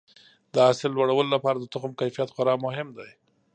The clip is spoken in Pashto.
د حاصل لوړولو لپاره د تخم کیفیت خورا مهم دی.